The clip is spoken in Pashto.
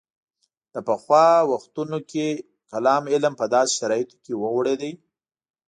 د پخوا وختونو کې کلام علم په داسې شرایطو کې وغوړېد.